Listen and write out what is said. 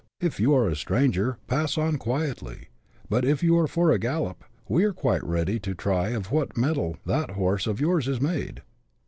If you are a stranger, pass on quietly ; but if you are for a gallop, we are quite ready to try of what mettle that horse of yours is made.